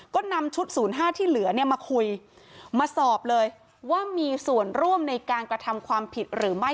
ก็นำชุด๐๕ที่เหลือเนี่ยมาคุยมาสอบเลยว่ามีส่วนร่วมในการกระทำความผิดหรือไม่